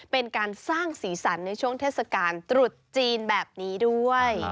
เป็นการสร้างสีสันในช่วงเทศกาลตรุษจีนแบบนี้ด้วย